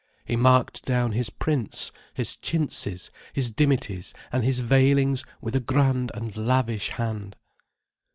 He marked down his prints, his chintzes, his dimities and his veilings with a grand and lavish hand.